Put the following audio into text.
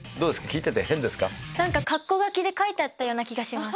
何かカッコ書きで書いてあったような気がします。